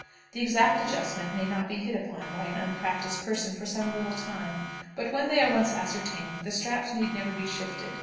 The exact adjustments may not be hit upon by an unpracticed person for some little time, but, when they are once ascertained, the straps need never be shifted.